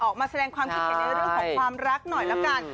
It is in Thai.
ออกมาแสดงความคิดเห็นในเรื่องของความรักหน่อยแล้วกัน